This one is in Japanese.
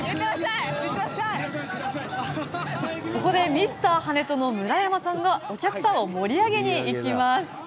ミスター跳人の村山さんがお客さんを盛り上げに行きます。